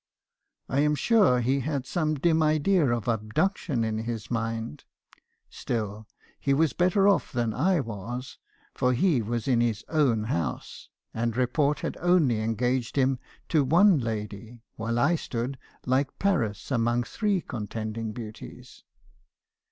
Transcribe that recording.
I am sure he had some dim idea of abduction in his mind. Still, he was better off than I was; for he was in his own house , and report had only engaged him to one lady: while I stood like Paris among three contending beauties.